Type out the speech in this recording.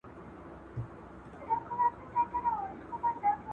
د خدای په قدرتونو فکر وکړئ.